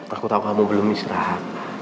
aku tau kamu belum istirahat